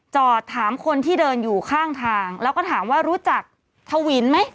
จอดถามคนที่เดินอยู่ข้างทางแล้วก็ถามว่ารู้จักทวินไหม